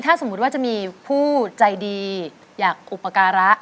ถ้าสมมุติว่าจะมีผู้ใจดีอยากอุปการะ